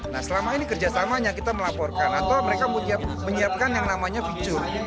nah selama ini kerjasamanya kita melaporkan atau mereka menyiapkan yang namanya fitur